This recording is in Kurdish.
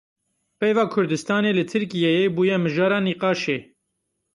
Peyva Kurdistanê li Tirkiyeyê bûye mijara nîqaşê.